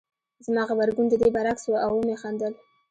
زما غبرګون د دې برعکس و او ومې خندل